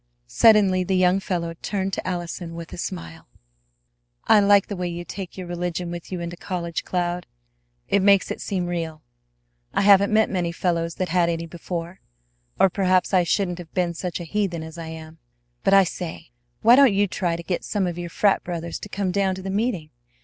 Suddenly the young fellow turned to Allison with a smile. "I like the way you take your religion with you into college, Cloud. It makes it seem real. I haven't met many fellows that had any before, or perhaps I shouldn't have been such a heathen as I am. But I say, why don't you try to get some of your frat brothers to come down to the meeting?